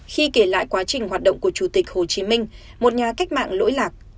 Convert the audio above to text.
khi kể lại quá trình hoạt động của chủ tịch hồ chí minh một nhà cách mạng lỗi lạc